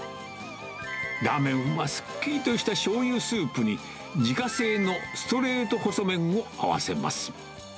ラーメンはすっきりとしたしょうゆスープに、自家製のストレート細麺を合わせます。